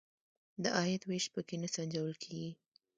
د عاید وېش په کې نه سنجول کیږي.